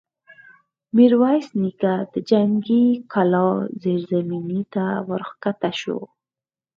ميرويس نيکه د جنګي کلا زېرزميني ته ور کښه شو.